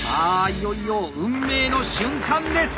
いよいよ運命の瞬間です！